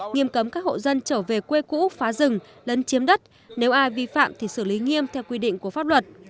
nghiêm cấm các hộ dân trở về quê cũ phá rừng lấn chiếm đất nếu ai vi phạm thì xử lý nghiêm theo quy định của pháp luật